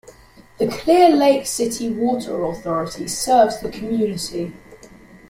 The Clear Lake City Water Authority serves the community.